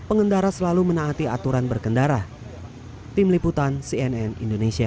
pengendara selalu menaati aturan berkendara tim liputan cnn indonesia